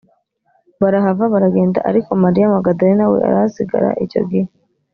barahava baragenda ariko mariya magadalena we arahasigara icyo gihe